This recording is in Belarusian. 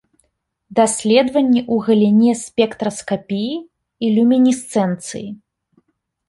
Даследаванні ў галіне спектраскапіі і люмінесцэнцыі.